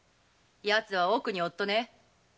ヤツは奥におっとね。